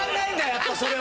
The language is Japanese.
やっぱりそれは。